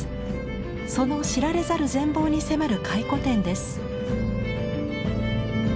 その知られざる全貌に迫る回顧展です。